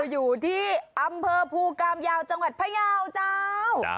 อยู่ที่อำเภอภูกามยาวจังหวัดพยาวเจ้า